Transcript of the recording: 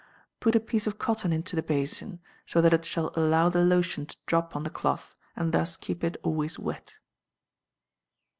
Put a piece of cotton into the basin, so that it shall allow the lotion to drop on the cloth, and thus keep it always wet.